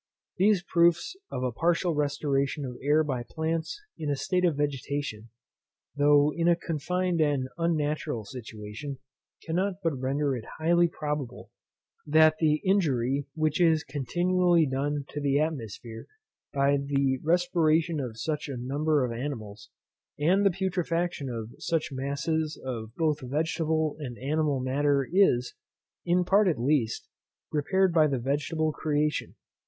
These proofs of a partial restoration of air by plants in a state of vegetation, though in a confined and unnatural situation, cannot but render it highly probable, that the injury which is continually done to the atmosphere by the respiration of such a number of animals, and the putrefaction of such masses of both vegetable and animal matter, is, in part at least, repaired by the vegetable creation.